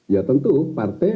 ya tentu partai